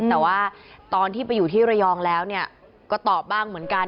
แต่ว่าตอนที่ไปอยู่ที่ระยองแล้วก็ตอบบ้างเหมือนกัน